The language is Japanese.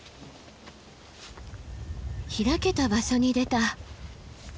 開けた場所に出た。